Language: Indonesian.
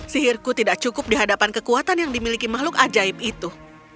sihirku tidak cukup di hadapan kekuatan yang dimiliki makhluk ajaib itu